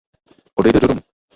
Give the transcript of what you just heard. Odejde do domu.